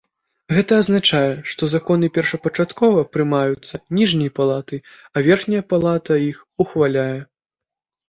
Гэта азначае, што законы першапачаткова прымаюцца ніжняй палатай, а верхняя палата іх ухваляе.